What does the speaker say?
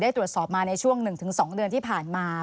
ตรวจสอบมาในช่วง๑๒เดือนที่ผ่านมา